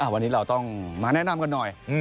วันนี้เราต้องมาแนะนำกันหน่อย